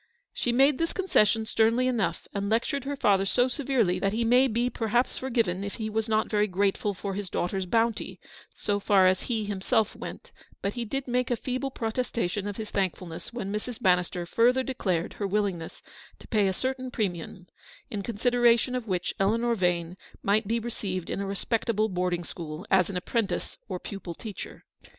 She made this concession sternly enough, and lectured her father so severely that he may be perhaps forgiven if he was not very grateful for his daughter's bounty, so far as he himself went ; but he did make a feeble protestation of his thankfulness when Mrs. Bannister further declared her willing ness to pay a certain premium, in consideration of which Eleanor Vane might be received in a respectable boarding school as an apprentice or pupil teacher.